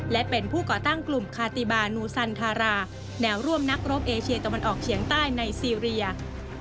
และเป็นผู้ก่อตั้งกลุ่มคาติบานูซันทาราแนวร่วมนักรบเอเชียตะวันออกเฉียงใต้ในซีเรีย